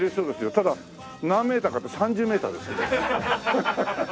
ただ何メーターかって３０メーターですけど。